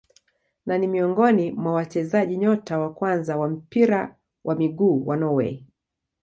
Na ni miongoni mwa wachezaji nyota wa kwanza wa mpira wa miguu wa Norway.